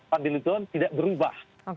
pak fadly lizon tidak berubah